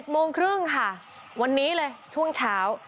โมงครึ่งค่ะวันนี้เลยช่วงเช้า